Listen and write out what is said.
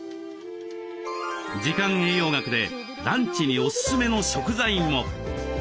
時間栄養学でランチにオススメの食材も。